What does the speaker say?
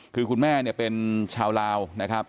คือคุณแม่เนี่ยเป็นชาวลาวนะครับ